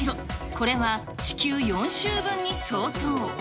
これは地球４周分に相当。